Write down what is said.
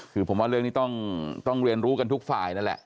คือผมว่าเรื่องนี้ต้องเรียนรู้กันทุกฝ่ายนั่นแหละ